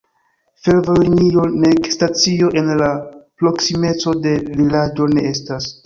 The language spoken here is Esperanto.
Fervojlinio nek stacio en la proksimeco de vilaĝo ne estas.